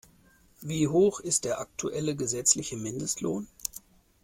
Wie hoch ist der aktuelle gesetzliche Mindestlohn?